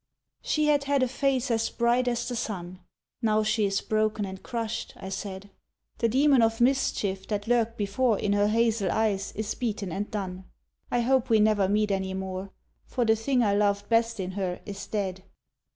She had had a face as bright as the sun. "Now she is broken and crushed," I said. "The demon of mischief that lurked before In her hazel eyes Is beaten and done. I hope we never meet any more, For the thing I loved best in her is dead."